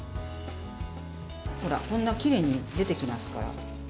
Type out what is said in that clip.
ほら、こんなにきれいに出てきますから。